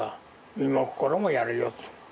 身も心もやるよって。